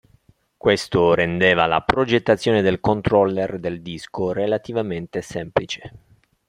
Questo rendeva la progettazione del controller del disco relativamente semplice.